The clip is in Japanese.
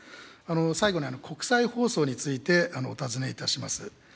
最後に、国際放送についてお尋ねいたします。